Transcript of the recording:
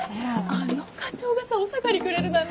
あの課長がさお下がりくれるなんて！